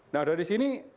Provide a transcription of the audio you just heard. nah dari sini